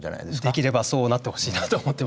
できればそうなってほしいなと思ってます。